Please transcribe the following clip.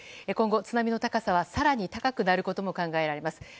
今後、津波の高さは更に高くなることも考えられます。